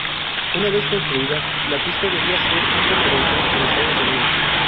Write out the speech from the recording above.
Una vez construida, la pista debía ser un referente en Estados Unidos.